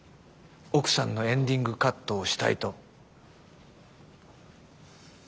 奥さんのエンディングカットをしたいと？